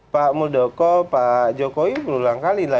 pak muldoko pak jokowi berulang kali lah